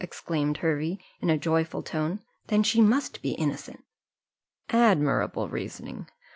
exclaimed Hervey, in a joyful tone: "then she must be innocent." "Admirable reasoning!